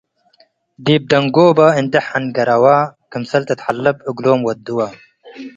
ዲብ ደንጎበ እንዴ ሕንረገወ ክምሰል ትትሐለብ እግሎም ወድወ ።